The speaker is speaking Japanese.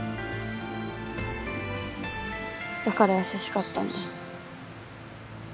だから優しかったんだ。